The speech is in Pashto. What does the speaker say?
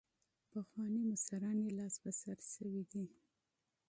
پخواني مشران یې لاس په سر شوي دي.